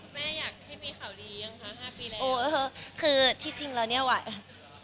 แม่อยากให้มีข่าวดียังคะ๕ปีแล้ว